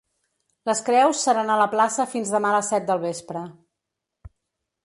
Les creus seran a la plaça fins demà a les set del vespre.